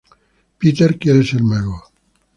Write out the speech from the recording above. Peter quiere ser mago.